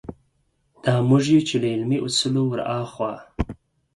دا موږ یو چې له علمي اصولو وراخوا.